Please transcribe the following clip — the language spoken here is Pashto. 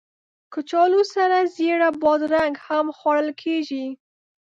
کچالو سره زېړه بادرنګ هم خوړل کېږي